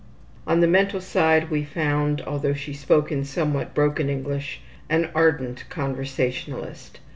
On the mental side we found, although she spoke in somewhat broken English, an ardent conversationalist.